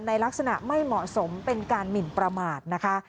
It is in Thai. ในลักษณะไม่เหมาะสมเป็นการหมินประมาทนะคะ